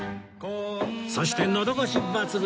そしてのどごし抜群！